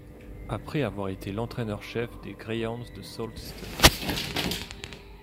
Après avoir été l'entraîneur-chef des Greyhounds de Sault Ste.